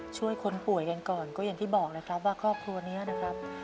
ช่วยคนป่วยกันก่อนก็อย่างที่บอกเลยครับว่าครอบครัวนี้นะครับ